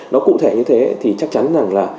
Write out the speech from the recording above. nó cụ thể như thế thì chắc chắn rằng là